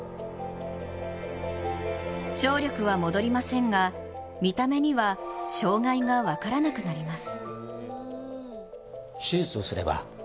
聴力は戻りませんが見た目には、障害が分からなくなります。